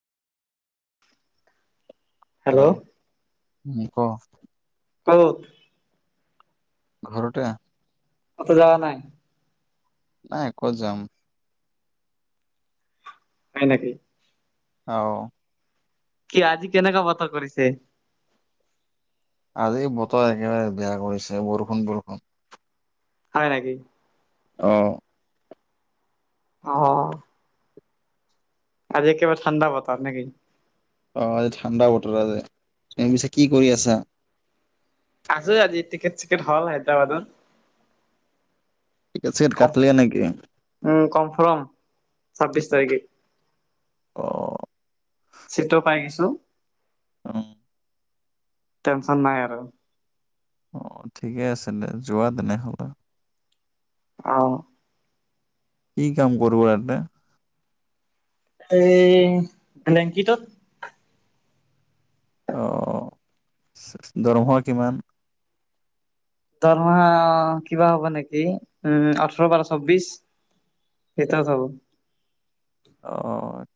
Hello! উম ক ক'ত? ঘৰতে। ক'তো যোৱা নাই? নাই ক'ত যাম। হয় নেকি? ঔ কি আজি কেনেকুৱা বতৰ কৰিছে? আজি বতৰ একেবাৰে বেয়া কৰিছে বৰষুণ বৰষুণ। হয় নেকি? অহ অহ আজি কিবা ঠাণ্ডা বতৰ নেকি? অ আজি ঠাণ্ডা বতৰ আজি তুমি পিছে কি কৰি আছা? আছো আজি টিকেট চিকেট হ'ল হায়দৰাবাদৰ টিকেট চিকেট কম কাটলে নেকি উম কনফাৰ্ম ছাব্বিশ তাৰিখে। অ চিতটো পাই গৈছো। উম টেনচন নাই আৰু। অহ ঠিকে আছে দে যোৱা তেনেহ'লে। অঁ' কি কাম কৰিব ইয়াতে? এই ব্লেংকিটোত- অঁ, দৰমহা কিমান? দৰমহা অঁ' কিবা হ'ব নেকি উম ওঠৰ বাৰ চৌবিশ- সেইটা চাব। অঁ'